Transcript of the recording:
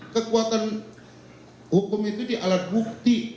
kekuatan hukum itu di alat bukti